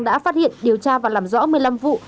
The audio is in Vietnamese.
đã phát hiện điều tra và làm rõ một mươi năm vụ